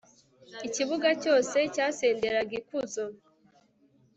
ikibuga cyose cyasenderaga ikuzo